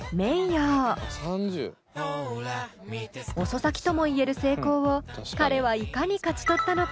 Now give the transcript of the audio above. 遅咲きとも言える成功を彼はいかに勝ち取ったのか？